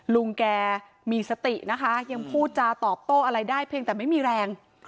ลุงแกมีสตินะคะยังพูดจาตอบโต้อะไรได้เพียงแต่ไม่มีแรง